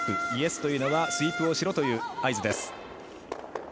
ヤップ、イエスというのはスイープをしろという合図です。